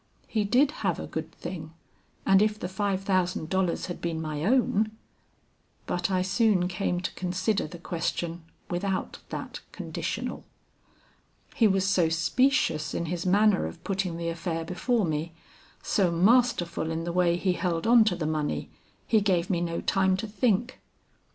He did have a good thing, and if the five thousand dollars had been my own But I soon came to consider the question without that conditional. He was so specious in his manner of putting the affair before me, so masterful in the way he held on to the money, he gave me no time to think.